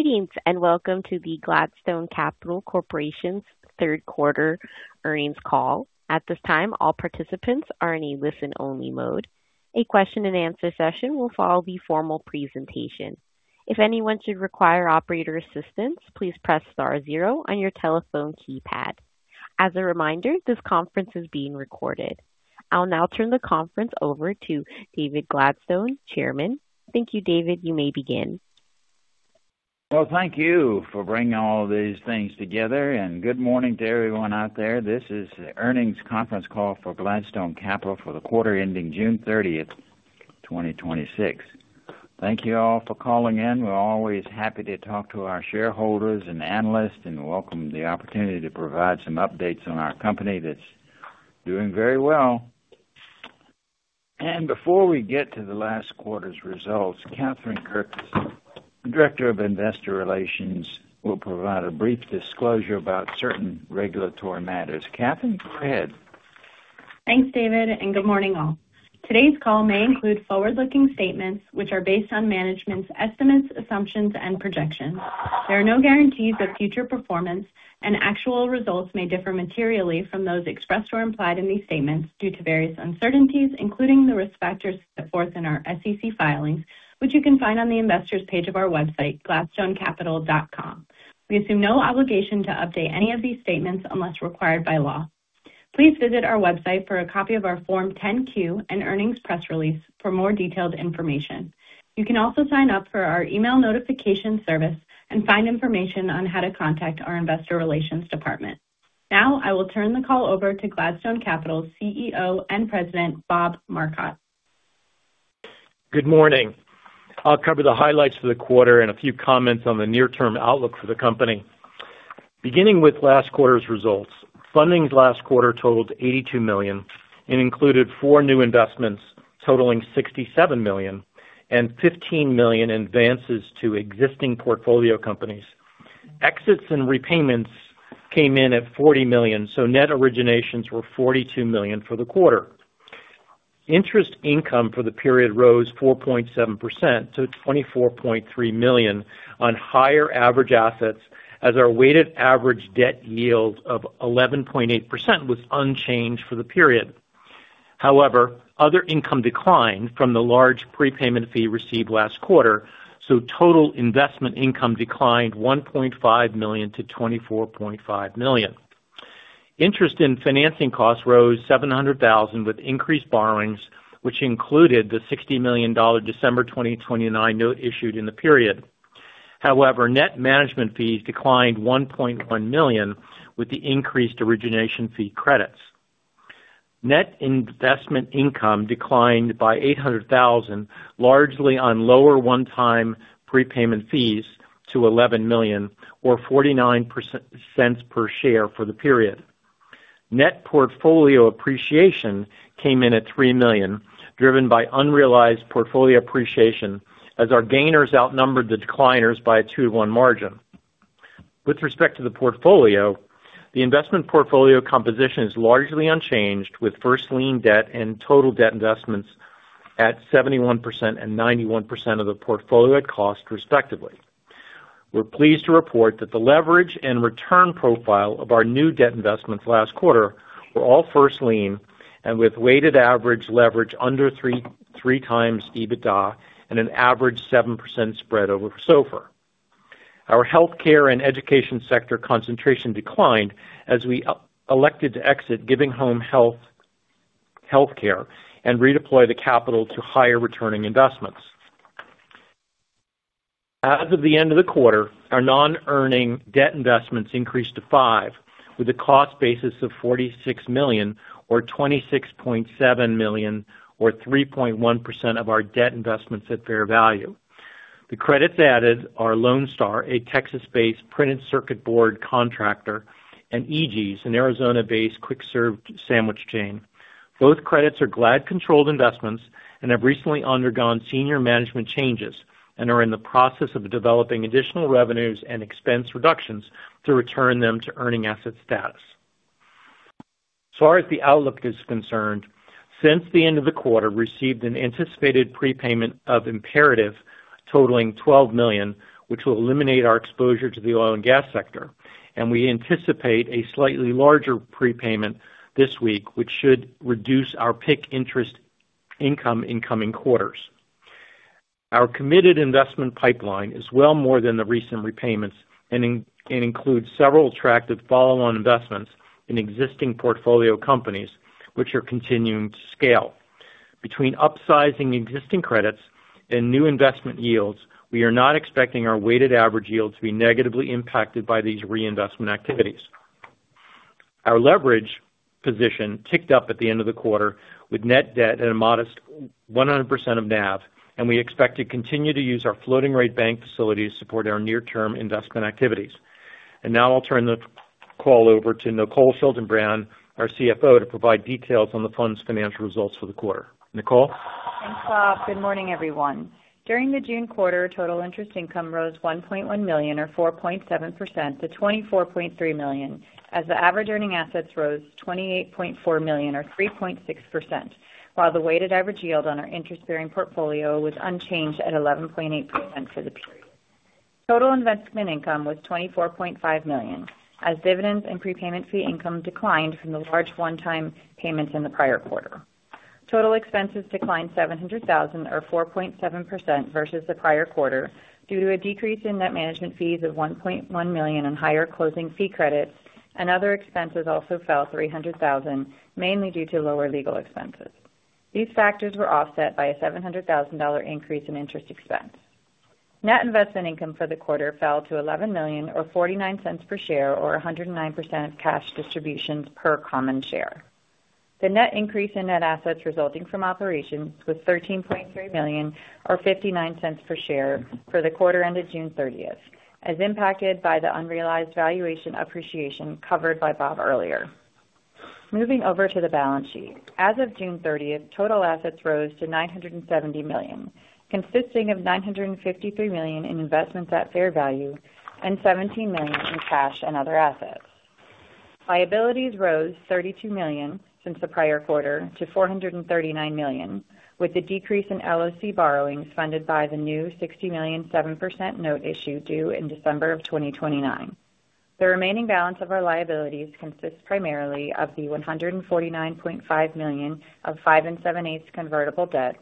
Greetings, and welcome to the Gladstone Capital Corporation's Third Quarter Earnings Call. At this time, all participants are in a listen-only mode. A question-and-answer session will follow the formal presentation. If anyone should require operator assistance, please press star zero on your telephone keypad. As a reminder, this conference is being recorded. I will now turn the conference over to David Gladstone, Chairman. Thank you, David. You may begin. Well, thank you for bringing all these things together. Good morning to everyone out there. This is the earnings conference call for Gladstone Capital for the quarter ending June 30th, 2026. Thank you all for calling in. We are always happy to talk to our shareholders and analysts welcome the opportunity to provide some updates on our company that is doing very well. Before we get to the last quarter's results, Catherine Gerkis, Director of Investor Relations, will provide a brief disclosure about certain regulatory matters. Catherine, go ahead. Thanks, David. Good morning all. Today's call may include forward-looking statements which are based on management's estimates, assumptions, and projections. There are no guarantees of future performance, actual results may differ materially from those expressed or implied in these statements due to various uncertainties, including the risk factors set forth in our SEC filings, which you can find on the investors page of our website, gladstonecapital.com. We assume no obligation to update any of these statements unless required by law. Please visit our website for a copy of our Form 10-Q and earnings press release for more detailed information. You can also sign up for our email notification service and find information on how to contact our investor relations department. Now, I will turn the call over to Gladstone Capital CEO and President, Bob Marcotte. Good morning. I will cover the highlights for the quarter a few comments on the near-term outlook for the company. Beginning with last quarter's results, fundings last quarter totaled $82 million included four new investments totaling $67 million and $15 million advances to existing portfolio companies. Exits and repayments came in at $40 million, net originations were $42 million for the quarter. Interest income for the period rose 4.7% to $24.3 million on higher average assets as our weighted average debt yield of 11.8% was unchanged for the period. However, other income declined from the large prepayment fee received last quarter, total investment income declined $1.5 million to $24.5 million. Interest in financing costs rose $700,000 with increased borrowings, which included the $60 million December 2029 note issued in the period. Net management fees declined $1.1 million with the increased origination fee credits. Net investment income declined by $800,000, largely on lower one-time prepayment fees to $11 million or $0.49 per share for the period. Net portfolio appreciation came in at $3 million, driven by unrealized portfolio appreciation as our gainers outnumbered the decliners by a 2% to 1% margin. With respect to the portfolio, the investment portfolio composition is largely unchanged, with first lien debt and total debt investments at 71% and 91% of the portfolio at cost, respectively. We're pleased to report that the leverage and return profile of our new debt investments last quarter were all first lien and with weighted average leverage under 3x EBITDA and an average 7% spread over SOFR. Our healthcare and education sector concentration declined as we elected to exit Giving Home Healthcare and redeploy the capital to higher returning investments. As of the end of the quarter, our non-accrual debt investments increased to 5% with a cost basis of $46 million or $26.7 million or 3.1% of our debt investments at fair value. The credits added are Lone Star Circuits, a Texas-based printed circuit board contractor, and eegee's, an Arizona-based quick-serve sandwich chain. Both credits are Gladstone controlled investments and have recently undergone senior management changes and are in the process of developing additional revenues and expense reductions to return them to earning asset status. As far as the outlook is concerned, since the end of the quarter, received an anticipated prepayment of Imperative totaling $12 million, which will eliminate our exposure to the oil and gas sector. We anticipate a slightly larger prepayment this week, which should reduce our PIK interest income in coming quarters. Our committed investment pipeline is well more than the recent repayments and includes several attractive follow-on investments in existing portfolio companies which are continuing to scale. Between upsizing existing credits and new investment yields, we are not expecting our weighted average yield to be negatively impacted by these reinvestment activities. Our leverage position ticked up at the end of the quarter with net debt at a modest 100% of NAV, and we expect to continue to use our floating rate bank facility to support our near-term investment activities. Now I'll turn the call over to Nicole Schaltenbrand, our CFO, to provide details on the fund's financial results for the quarter. Nicole. Thanks, Bob. Good morning, everyone. During the June quarter, total interest income rose $1.1 million or 4.7% to $24.3 million as the average earning assets rose $28.4 million or 3.6%, while the weighted average yield on our interest-bearing portfolio was unchanged at 11.8% for the period. Total investment income was $24.5 million as dividends and prepayment fee income declined from the large one-time payment in the prior quarter. Total expenses declined $700,000 or 4.7% versus the prior quarter due to a decrease in net management fees of $1.1 million and higher closing fee credits. Other expenses also fell $300,000, mainly due to lower legal expenses. These factors were offset by a $700,000 increase in interest expense. Net investment income for the quarter fell to $11 million or $0.49 per share or 109% of cash distributions per common share. The net increase in net assets resulting from operations was $13.3 million or $0.59 per share for the quarter ended June 30th, as impacted by the unrealized valuation appreciation covered by Bob earlier. Moving over to the balance sheet. As of June 30th, total assets rose to $970 million, consisting of $953 million in investments at fair value and $17 million in cash and other assets. Liabilities rose $32 million since the prior quarter to $439 million, with a decrease in LOC borrowings funded by the new $60 million, 7% note issue due in December of 2029. The remaining balance of our liabilities consists primarily of the $149.5 million of 5.78 convertible debt,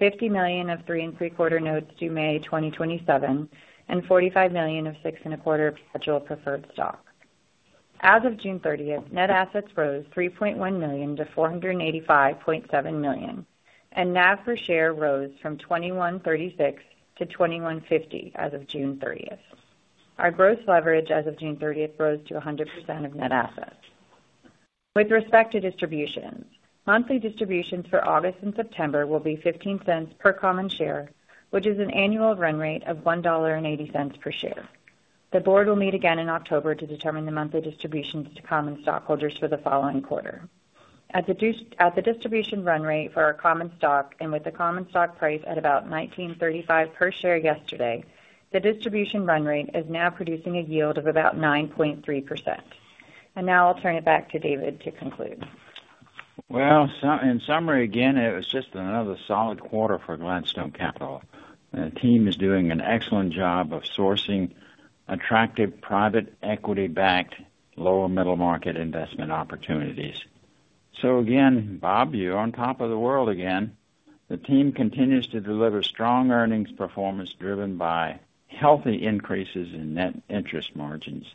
$50 million of 3.75 notes due May 2027, and $45 million of 6.25 perpetual preferred stock. As of June 30th, net assets rose $3.1 million to $485.7 million, and NAV per share rose from $21.36 to $21.50 as of June 30th. Our gross leverage as of June 30th rose to 100% of net assets. With respect to distributions, monthly distributions for August and September will be $0.15 per common share, which is an annual run rate of $1.80 per share. The board will meet again in October to determine the monthly distributions to common stockholders for the following quarter. At the distribution run rate for our common stock and with the common stock price at about $19.35 per share yesterday, the distribution run rate is now producing a yield of about 9.3%. Now I'll turn it back to David to conclude. Well, in summary again, it was just another solid quarter for Gladstone Capital. The team is doing an excellent job of sourcing attractive private equity-backed lower middle market investment opportunities. Again, Bob, you're on top of the world again. The team continues to deliver strong earnings performance driven by healthy increases in net interest margins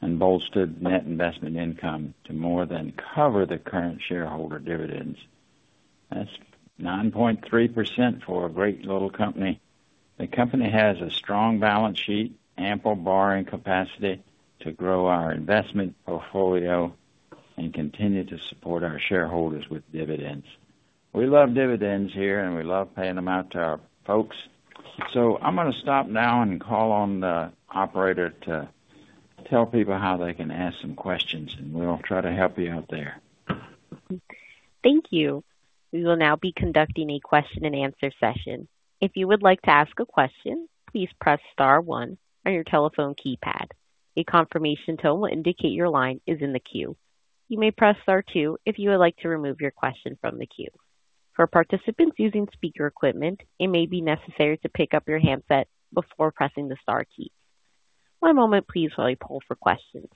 and bolstered net investment income to more than cover the current shareholder dividends. That's 9.3% for a great little company. The company has a strong balance sheet, ample borrowing capacity to grow our investment portfolio and continue to support our shareholders with dividends. We love dividends here, and we love paying them out to our folks. I'm going to stop now and call on the operator to tell people how they can ask some questions, and we'll try to help you out there. Thank you. We will now be conducting a question and answer session. If you would like to ask a question, please press star one on your telephone keypad. A confirmation tone will indicate your line is in the queue. You may press star two if you would like to remove your question from the queue. For participants using speaker equipment, it may be necessary to pick up your handset before pressing the star key. One moment please while I pull for questions.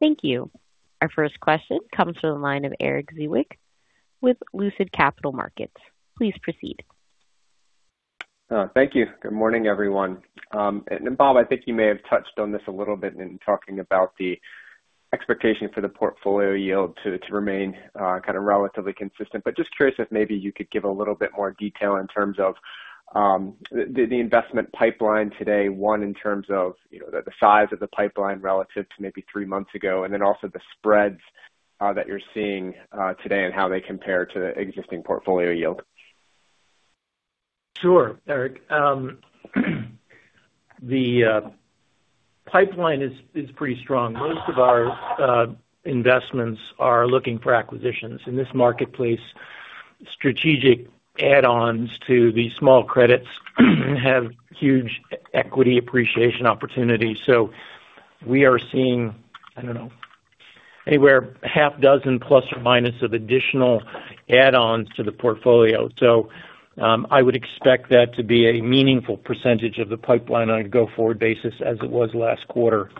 Thank you. Our first question comes from the line of Erik Zwick with Lucid Capital Markets. Please proceed. Thank you. Good morning, everyone. Bob, I think you may have touched on this a little bit in talking about the expectation for the portfolio yield to remain kind of relatively consistent, but just curious if maybe you could give a little bit more detail in terms of the investment pipeline today. One, in terms of the size of the pipeline relative to maybe three months ago, then also the spreads that you're seeing today and how they compare to the existing portfolio yield. Sure. Erik. The pipeline is pretty strong. Most of our investments are looking for acquisitions. In this marketplace, strategic add-ons to these small credits have huge equity appreciation opportunities. We are seeing, I don't know, anywhere half dozen plus or minus of additional add-ons to the portfolio. I would expect that to be a meaningful percentage of the pipeline on a go-forward basis as it was last quarter.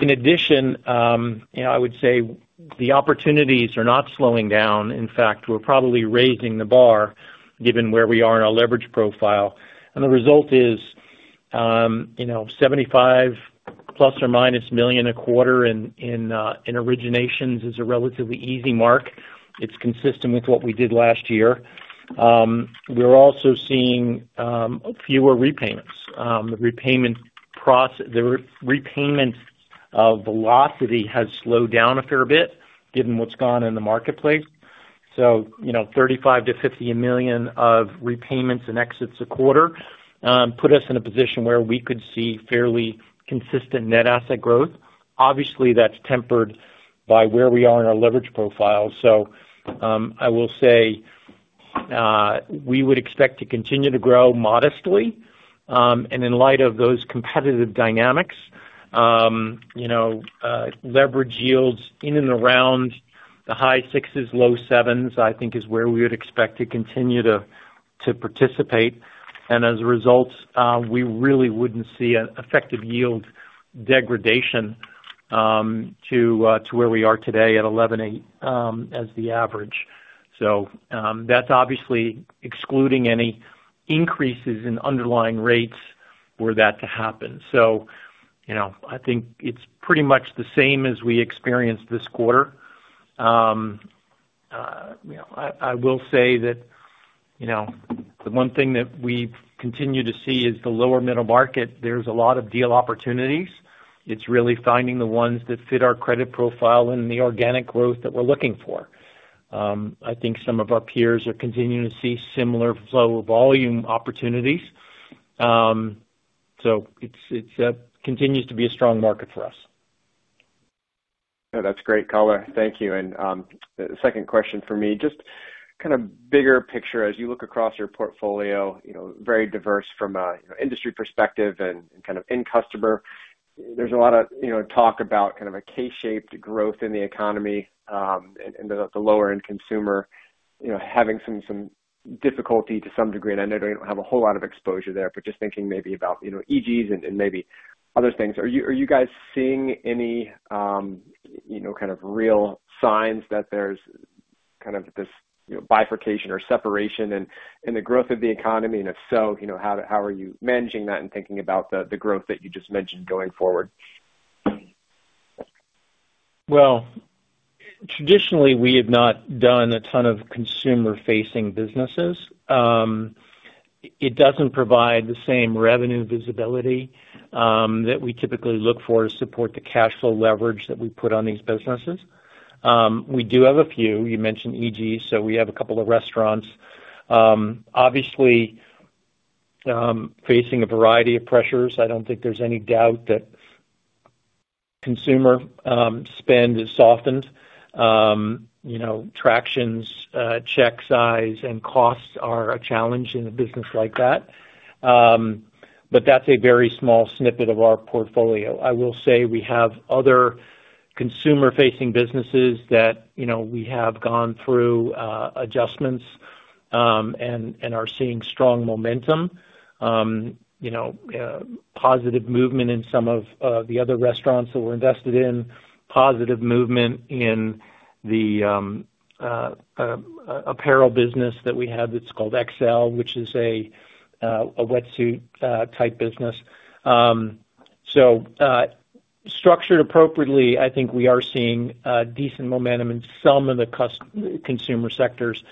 In addition, I would say the opportunities are not slowing down. In fact, we're probably raising the bar given where we are in our leverage profile. The result is, ±$75 million a quarter in originations is a relatively easy mark. It's consistent with what we did last year. We're also seeing fewer repayments. The repayment velocity has slowed down a fair bit given what's gone in the marketplace. $35 million-$50 million of repayments and exits a quarter put us in a position where we could see fairly consistent net asset growth. Obviously, that's tempered by where we are in our leverage profile. I will say- We would expect to continue to grow modestly. In light of those competitive dynamics, leverage yields in and around the high 6%, low 7%, I think is where we would expect to continue to participate. As a result, we really wouldn't see an effective yield degradation to where we are today at 11.8% as the average. That's obviously excluding any increases in underlying rates for that to happen. I think it's pretty much the same as we experienced this quarter. I will say that the one thing that we continue to see is the lower middle market. There's a lot of deal opportunities. It's really finding the ones that fit our credit profile and the organic growth that we're looking for. I think some of our peers are continuing to see similar flow volume opportunities. It continues to be a strong market for us. No, that's great color. Thank you. The second question for me, just kind of bigger picture as you look across your portfolio, very diverse from an industry perspective and kind of end customer. There's a lot of talk about kind of a K-shaped growth in the economy and the lower-end consumer having some difficulty to some degree. I know you don't have a whole lot of exposure there, but just thinking maybe about eegee's and maybe other things. Are you guys seeing any kind of real signs that there's kind of this bifurcation or separation in the growth of the economy? If so, how are you managing that and thinking about the growth that you just mentioned going forward? Traditionally we have not done a ton of consumer-facing businesses. It doesn't provide the same revenue visibility that we typically look for to support the cash flow leverage that we put on these businesses. We do have a few. You mentioned eegee's. We have a couple of restaurants. Obviously, facing a variety of pressures. I don't think there's any doubt that consumer spend has softened. Tractions, check size, and costs are a challenge in a business like that. That's a very small snippet of our portfolio. I will say we have other consumer-facing businesses that we have gone through adjustments and are seeing strong momentum. Positive movement in some of the other restaurants that we're invested in. Positive movement in the apparel business that we have that's called Xcel, which is a wetsuit-type business. Structured appropriately, I think we are seeing decent momentum in some of the consumer sectors.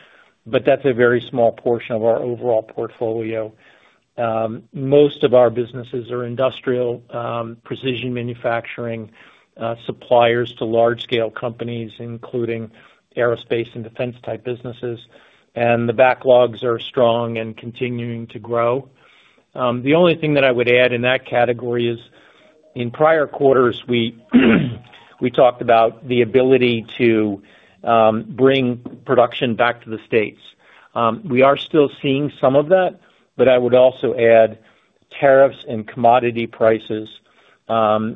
That's a very small portion of our overall portfolio. Most of our businesses are industrial precision manufacturing suppliers to large-scale companies, including aerospace and defense-type businesses. The backlogs are strong and continuing to grow. The only thing that I would add in that category is in prior quarters, we talked about the ability to bring production back to the States. We are still seeing some of that. I would also add tariffs and commodity prices are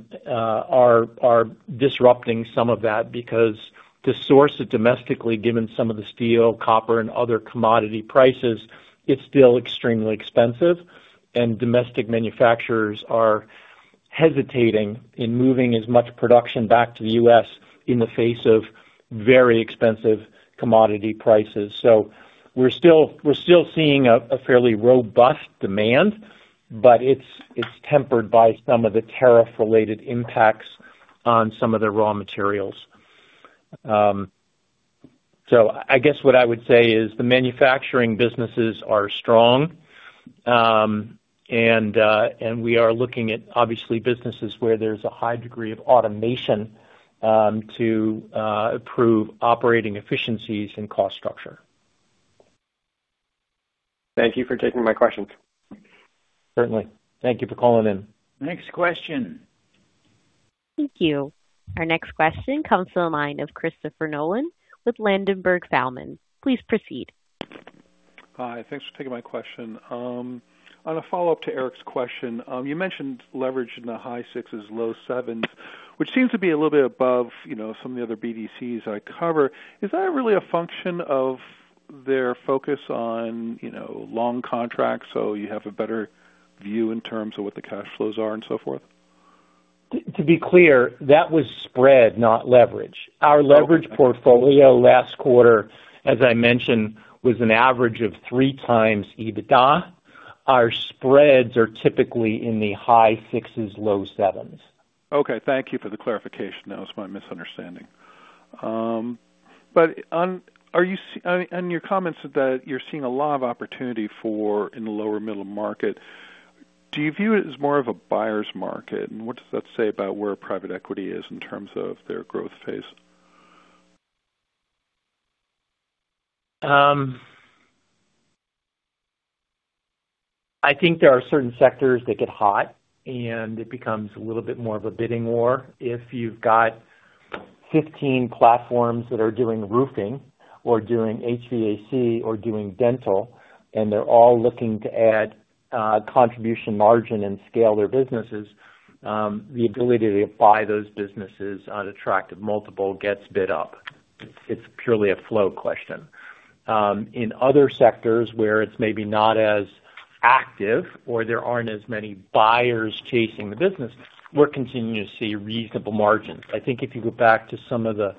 disrupting some of that because to source it domestically, given some of the steel, copper, and other commodity prices, it's still extremely expensive. Domestic manufacturers are hesitating in moving as much production back to the U.S. in the face of very expensive commodity prices. We're still seeing a fairly robust demand, but it's tempered by some of the tariff-related impacts on some of the raw materials. I guess what I would say is the manufacturing businesses are strong. We are looking at, obviously, businesses where there's a high degree of automation to improve operating efficiencies and cost structure. Thank you for taking my questions. Certainly. Thank you for calling in. Next question. Thank you. Our next question comes to the line of Christopher Nolan with Ladenburg Thalmann. Please proceed. Hi, thanks for taking my question. On a follow-up to Erik's question, you mentioned leverage in the high 6%, low 7%, which seems to be a little bit above some of the other BDCs I cover. Is that really a function of their focus on long contracts so you have a better view in terms of what the cash flows are and so forth? To be clear, that was spread, not leverage. Our leverage portfolio last quarter, as I mentioned, was an average of 3x EBITDA. Our spreads are typically in the high 6%, low 7%. Okay. Thank you for the clarification. That was my misunderstanding. On your comments that you're seeing a lot of opportunity in the lower middle market, do you view it as more of a buyer's market? What does that say about where private equity is in terms of their growth phase? I think there are certain sectors that get hot, and it becomes a little bit more of a bidding war. If you've got 15 platforms that are doing roofing or doing HVAC or doing dental, and they're all looking to add contribution margin and scale their businesses, the ability to buy those businesses on attractive multiple gets bid up. It's purely a flow question. In other sectors where it's maybe not as active or there aren't as many buyers chasing the business, we're continuing to see reasonable margins. I think if you go back to some of the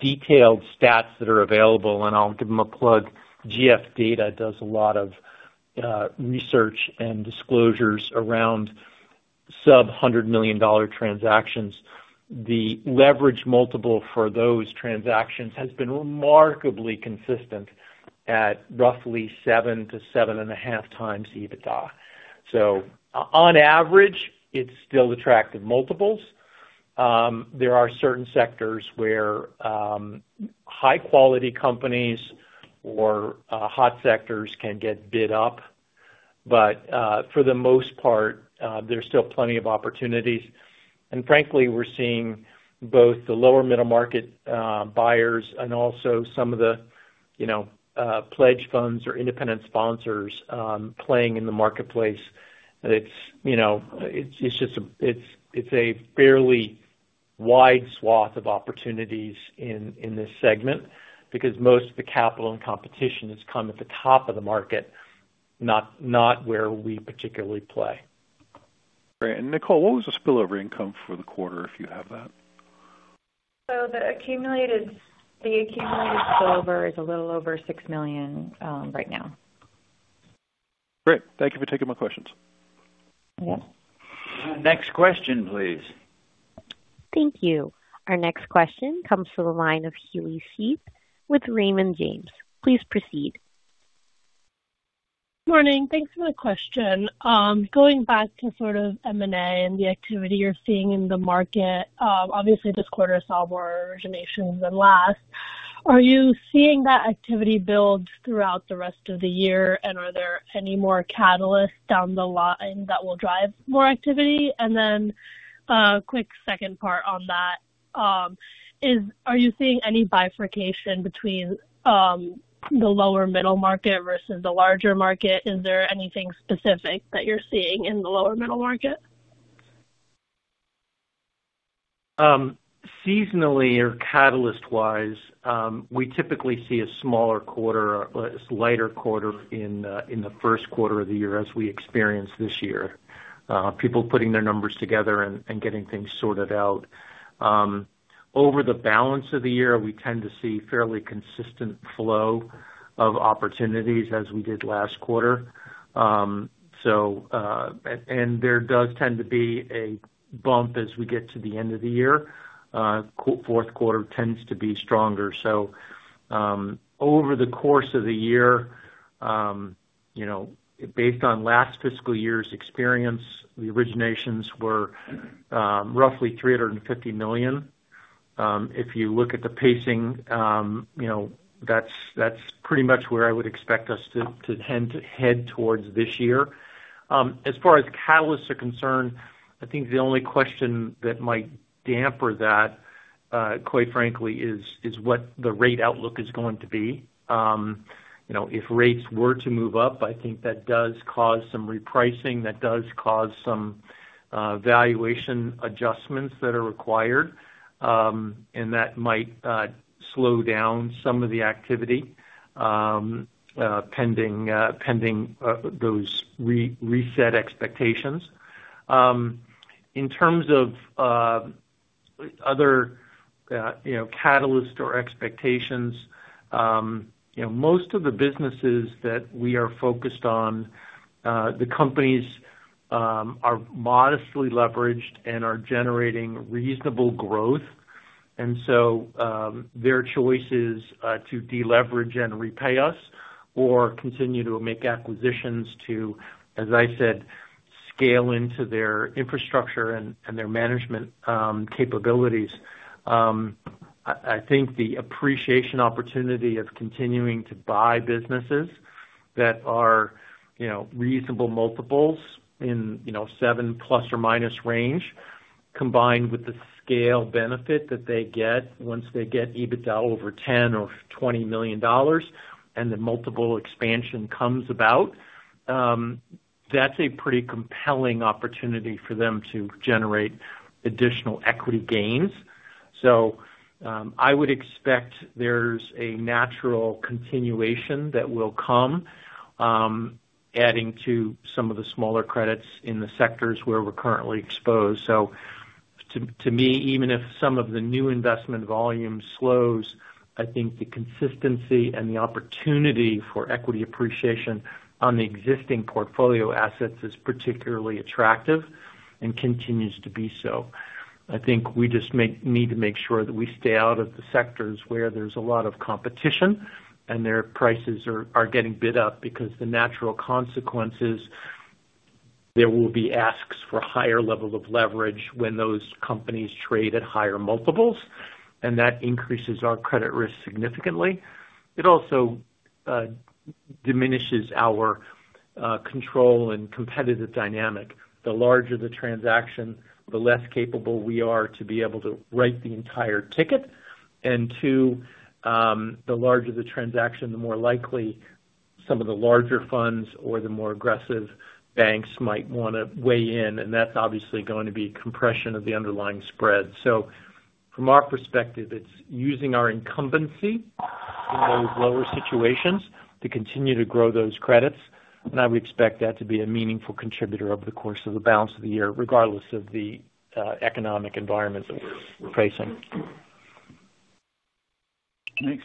detailed stats that are available, I'll give them a plug, GF Data does a lot of research and disclosures around sub-$100 million transactions. The leverage multiple for those transactions has been remarkably consistent at roughly 7x-7.5x EBITDA. On average, it's still attractive multiples. There are certain sectors where high-quality companies or hot sectors can get bid up. For the most part, there's still plenty of opportunities. Frankly, we're seeing both the lower middle market buyers and also some of the pledge funds or independent sponsors playing in the marketplace. It's a fairly wide swath of opportunities in this segment because most of the capital and competition has come at the top of the market, not where we particularly play. Great. Nicole, what was the spillover income for the quarter, if you have that? The accumulated spillover is a little over $6 million right now. Great. Thank you for taking my questions. You're welcome. Next question, please. Thank you. Our next question comes from the line of Heli Sheth with Raymond James. Please proceed. Morning. Thanks for the question. Going back to sort of M&A and the activity you're seeing in the market. Obviously, this quarter saw more originations than last. Are you seeing that activity build throughout the rest of the year? Are there any more catalysts down the line that will drive more activity? Then a quick second part on that. Are you seeing any bifurcation between the lower middle market versus the larger market? Is there anything specific that you're seeing in the lower middle market? Seasonally or catalyst-wise, we typically see a smaller quarter, a lighter quarter in the first quarter of the year as we experienced this year. People putting their numbers together and getting things sorted out. Over the balance of the year, we tend to see fairly consistent flow of opportunities as we did last quarter. There does tend to be a bump as we get to the end of the year. Fourth quarter tends to be stronger. Over the course of the year, based on last fiscal year's experience, the originations were roughly $350 million. If you look at the pacing, that's pretty much where I would expect us to tend to head towards this year. As far as catalysts are concerned, I think the only question that might damper that, quite frankly, is what the rate outlook is going to be. If rates were to move up, I think that does cause some repricing, that does cause some valuation adjustments that are required. That might slow down some of the activity pending those reset expectations. In terms of other catalysts or expectations. Most of the businesses that we are focused on, the companies are modestly leveraged and are generating reasonable growth. Their choice is to deleverage and repay us or continue to make acquisitions to, as I said, scale into their infrastructure and their management capabilities. I think the appreciation opportunity of continuing to buy businesses that are reasonable multiples in seven plus or minus range, combined with the scale benefit that they get once they get EBITDA over $10 million or $20 million, and the multiple expansion comes about. That's a pretty compelling opportunity for them to generate additional equity gains. I would expect there's a natural continuation that will come, adding to some of the smaller credits in the sectors where we're currently exposed. To me, even if some of the new investment volume slows, I think the consistency and the opportunity for equity appreciation on the existing portfolio assets is particularly attractive and continues to be so. I think we just need to make sure that we stay out of the sectors where there's a lot of competition and their prices are getting bid up because the natural consequence. There will be asks for higher level of leverage when those companies trade at higher multiples, and that increases our credit risk significantly. It also diminishes our control and competitive dynamic. The larger the transaction, the less capable we are to be able to write the entire ticket. Two, the larger the transaction, the more likely some of the larger funds or the more aggressive banks might want to weigh in, and that's obviously going to be compression of the underlying spread. From our perspective, it's using our incumbency in those lower situations to continue to grow those credits, and I would expect that to be a meaningful contributor over the course of the balance of the year, regardless of the economic environment that we're facing. Thanks.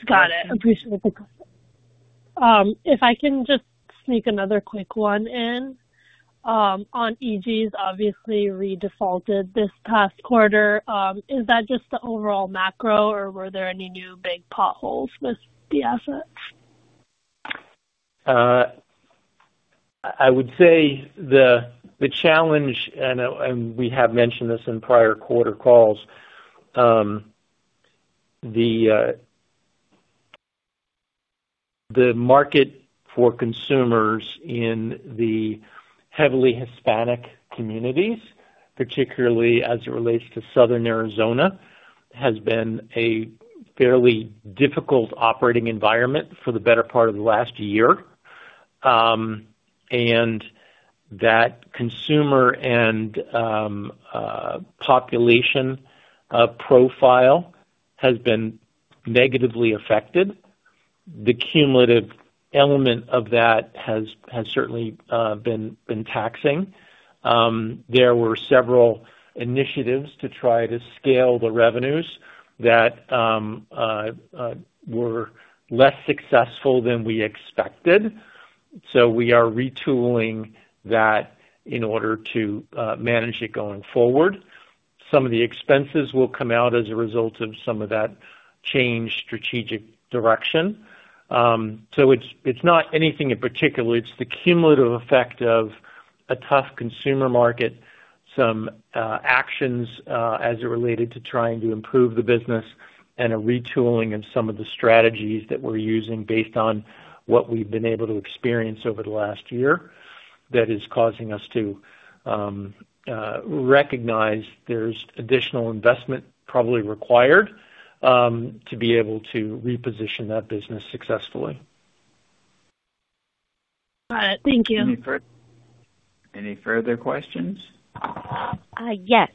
Got it. Appreciate the color. If I can just sneak another quick one in. On eegee's, obviously redefaulted this past quarter. Is that just the overall macro or were there any new big potholes with the assets? I would say the challenge, we have mentioned this in prior quarter calls. The market for consumers in the heavily Hispanic communities, particularly as it relates to southern Arizona, has been a fairly difficult operating environment for the better part of the last year. That consumer and population profile has been negatively affected. The cumulative element of that has certainly been taxing. There were several initiatives to try to scale the revenues that were less successful than we expected. We are retooling that in order to manage it going forward. Some of the expenses will come out as a result of some of that change strategic direction. It's not anything in particular. It's the cumulative effect of a tough consumer market, some actions as it related to trying to improve the business, and a retooling in some of the strategies that we're using based on what we've been able to experience over the last year that is causing us to recognize there's additional investment probably required to be able to reposition that business successfully. Got it. Thank you. Any further questions? Yes.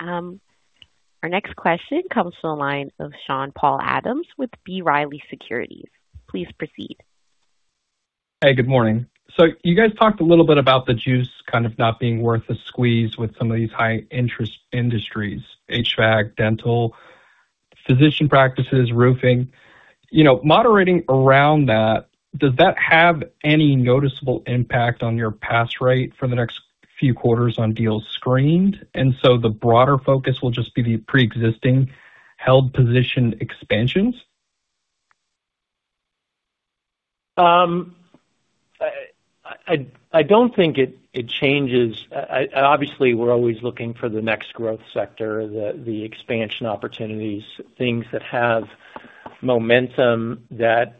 Our next question comes to the line of Sean-Paul Adams with B. Riley Securities. Please proceed. Hey, good morning. You guys talked a little bit about the juice kind of not being worth the squeeze with some of these high interest industries, HVAC, dental, physician practices, roofing. Moderating around that, does that have any noticeable impact on your pass rate for the next few quarters on deals screened? The broader focus will just be the preexisting held position expansions? I don't think it changes. Obviously, we're always looking for the next growth sector, the expansion opportunities, things that have momentum that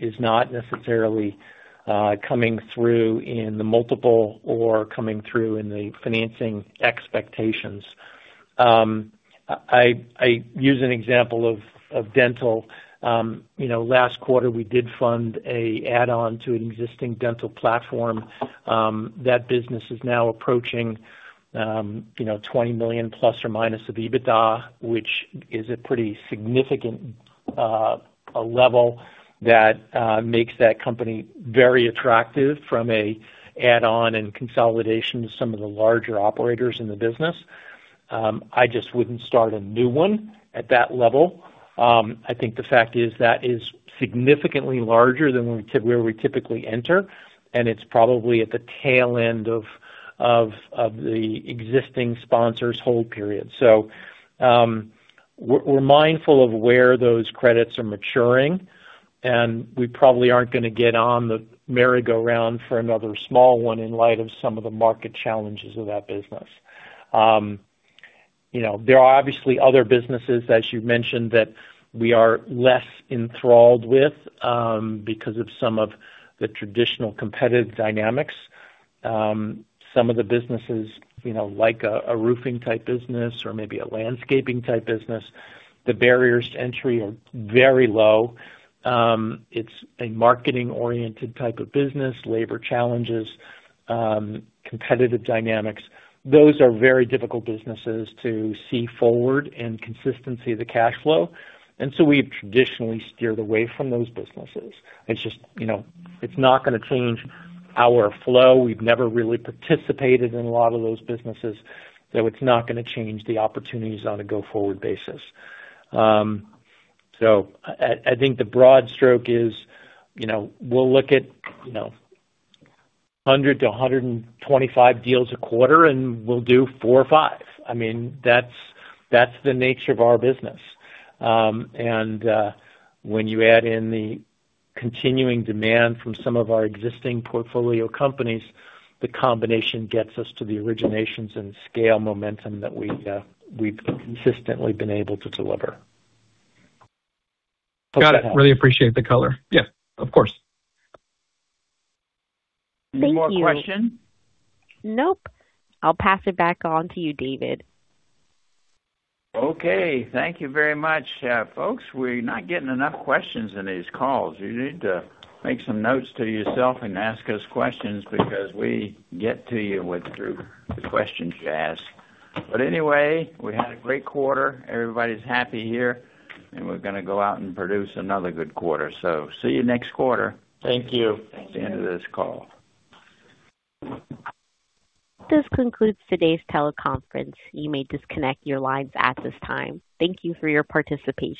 is not necessarily coming through in the multiple or coming through in the financing expectations. I use an example of dental. Last quarter, we did fund an add-on to an existing dental platform. That business is now approaching ±$20 million of EBITDA, which is a pretty significant level that makes that company very attractive from an add-on and consolidation to some of the larger operators in the business. I just wouldn't start a new one at that level. I think the fact is that is significantly larger than where we typically enter, and it's probably at the tail end of the existing sponsor's hold period. We're mindful of where those credits are maturing, and we probably aren't going to get on the merry-go-round for another small one in light of some of the market challenges of that business. There are obviously other businesses, as you mentioned, that we are less enthralled with because of some of the traditional competitive dynamics. Some of the businesses, like a roofing type business or maybe a landscaping type business, the barriers to entry are very low. It's a marketing-oriented type of business, labor challenges, competitive dynamics. Those are very difficult businesses to see forward and consistency of the cash flow. We've traditionally steered away from those businesses. It's not going to change our flow. We've never really participated in a lot of those businesses, so it's not going to change the opportunities on a go-forward basis. I think the broad stroke is we'll look at 100-125 deals a quarter, and we'll do four or five. That's the nature of our business. When you add in the continuing demand from some of our existing portfolio companies, the combination gets us to the originations and scale momentum that we've consistently been able to deliver. Got it. Really appreciate the color. Yeah, of course. Thank you. Any more questions? Nope. I'll pass it back on to you, David. Okay. Thank you very much. Folks, we're not getting enough questions in these calls. You need to make some notes to yourself and ask us questions because we get to you through the questions you ask. Anyway, we had a great quarter. Everybody's happy here, and we're going to go out and produce another good quarter. See you next quarter. Thank you. That's the end of this call. This concludes today's teleconference. You may disconnect your lines at this time. Thank you for your participation.